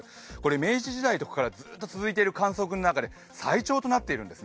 明治時代からずっと続いている観測の中で最長となっているんです。